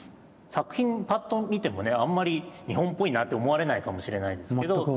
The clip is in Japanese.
作品ぱっと見てもねあんまり日本っぽいなって思われないかもしれないんですけど。